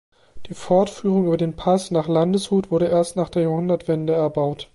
Die Fortführung über den Pass nach Landeshut wurde erst nach der Jahrhundertwende erbaut.